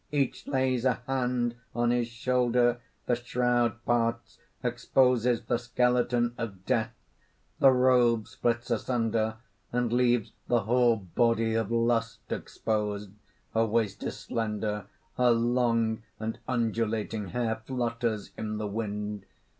Each lays a hand on his shoulder._ The Shroud parts, exposes the Skeleton of Death. _The robe splits asunder, and leaves the whole body of Lust exposed: her waist is slender; her long and undulating hair flutters in the wind.